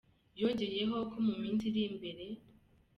Yongeyeho ko mu minsi iri imbere